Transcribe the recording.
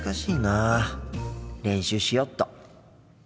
練習しよっと。